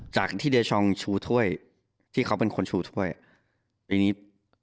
จากที่เดชองชูถ้วยที่เขาเป็นคนชูถ้วยอ่ะทีนี้